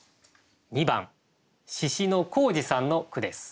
２番宍野宏治さんの句です。